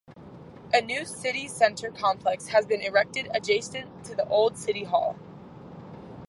A new city center complex has been erected adjacent to the old City Hall.